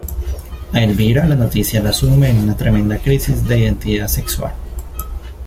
A Elvira la noticia la sume en una tremenda crisis de identidad sexual.